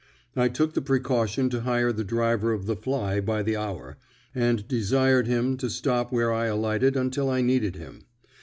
I took the precaution to hire the driver of the fly by the hour, and desired him to stop where I alighted until I needed him.